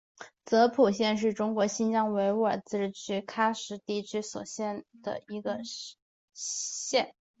泽普县是中国新疆维吾尔自治区喀什地区所辖的一个县。